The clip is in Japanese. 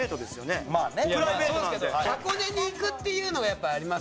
箱根に行くっていうのがやっぱありますから。